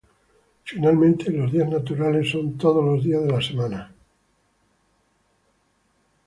Finalmente, los días naturales son todos los días de la semana.